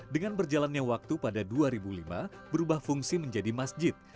dengan berjalannya waktu pada dua ribu lima berubah fungsi menjadi masjid